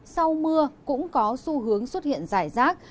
sau mưa cũng có xu hướng xuất hiện rải rác